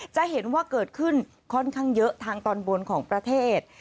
จะเห็นว่าเกิดขึ้นค่อนข้างเยอะทางตอนบนของประเทศ